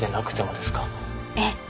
ええ。